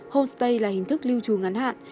homestay là hình thức lưu trù ngắn hạn